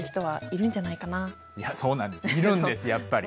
いるんですやっぱり。